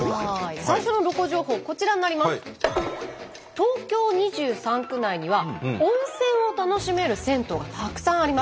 「東京２３区内には温泉を楽しめる銭湯がたくさんあります」。